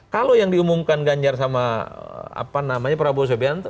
kalau yang diumumkan ganjar sama prabowo subianto